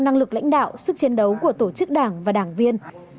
năng lực lãnh đạo sức chiến đấu của tổ chức đảng và đảng viên